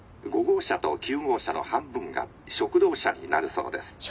５号車と９号車の半分が食堂車になるそうです」。